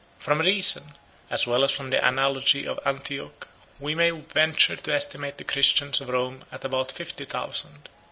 169 From reason, as well as from the analogy of Antioch, we may venture to estimate the Christians of Rome at about fifty thousand.